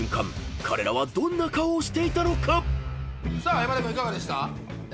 山田君いかがでした？